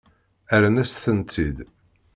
Rran-asen-tent-id.